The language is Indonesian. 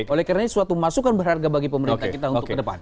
oleh karena ini suatu masukan berharga bagi pemerintah kita untuk ke depan